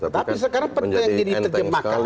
tapi sekarang penjajah yang jadi terjemahkan